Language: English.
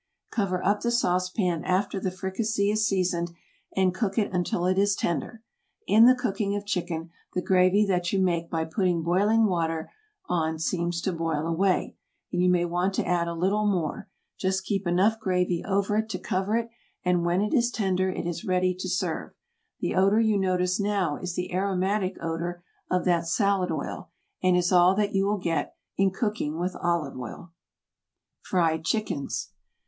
Cover up the sauce pan after the fricassee is seasoned, and cook it until it is tender. In the cooking of chicken the gravy that you make by putting boiling water on seems to boil away, and you may want to add a little more; just keep enough gravy over it to cover it, and when it is tender it is ready to serve. The odor you notice now is the aromatic odor of that salad oil, and is all that you will get in cooking with olive oil. FRIED CHICKENS.